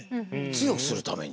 強くするために。